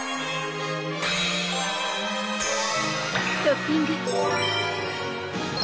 トッピング！